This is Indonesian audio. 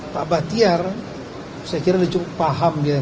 pak bahtiar saya kira sudah cukup paham